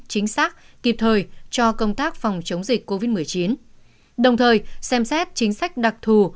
chính xác kịp thời cho công tác phòng chống dịch covid một mươi chín đồng thời xem xét chính sách đặc thù